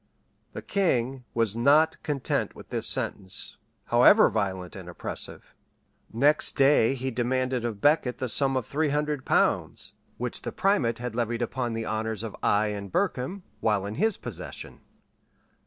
The king was not content with this sentence, however violent and oppressive. Next day he demanded of Becket the sum of three hundred pounds, which the primate had levied upon the honors of Eye and Berkham, while in his possession.